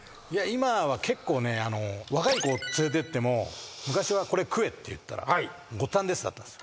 今は結構ね若い子を連れていっても昔は「これ食え」って言ったら「ごっつぁんです」だったんです。